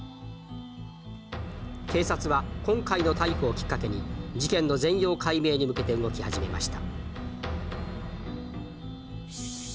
警察は今回の逮捕をきっかけに事件の全容解明に向けて動き始めました。